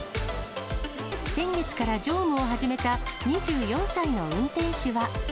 先月から乗務を始めた２４歳の運転手は。